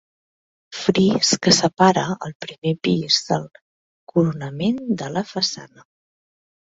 Fris que separa el primer pis del coronament de la façana.